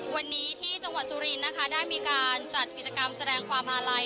วันนี้ที่จังหวัดสุรินทร์นะคะได้มีการจัดกิจกรรมแสดงความอาลัย